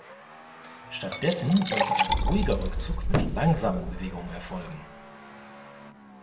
Stattdessen sollte ein ruhiger Rückzug mit langsamen Bewegungen erfolgen.